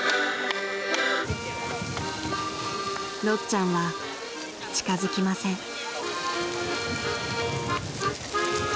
［ろっちゃんは近づきません］